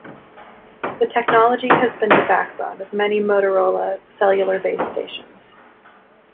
The technology has been the backbone of many Motorola Cellular Base stations.